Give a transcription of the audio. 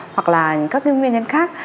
hoặc là các nguyên nhân khác